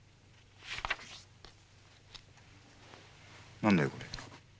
何だよこれ。